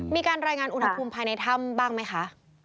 มีการรายงานอุณหภูมิภายในถ้ำบ้างไหมคะ